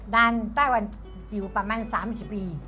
นานไต้หวันอยู่ประมาณสามสิบปี